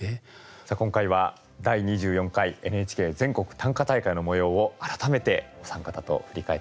さあ今回は第２４回ＮＨＫ全国短歌大会のもようを改めてお三方と振り返ってきました。